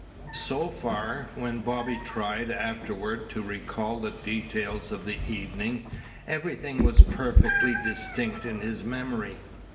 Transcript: So far, when Bobby tried afterward to recall the details of the evening, everything was perfectly distinct in his memory.